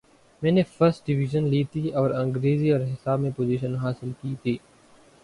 میں نے first division لی تھی اور انگریزی اور حساب میں پوزیشن حاصل کی تھی۔